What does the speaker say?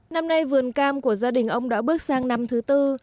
năm nay vườn cam của gia đình ông đã bước sang năm thứ tư